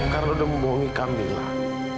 karena lo udah membohongi kami lah